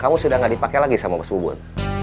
kamu sudah gak dipake lagi sama bos bubun